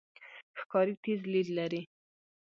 ښکاري تیز لید لري.